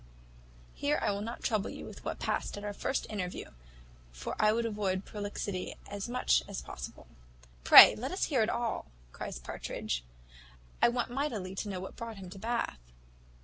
Here I will not trouble you with what past at our first interview; for I would avoid prolixity as much as possible." "Pray let us hear all," cries Partridge; "I want mightily to know what brought him to Bath."